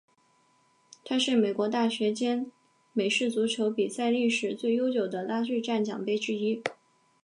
它是美国大学间美式足球比赛历史最悠久的拉锯战奖杯之一。